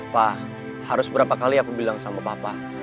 pak harus berapa kali aku bilang sama papa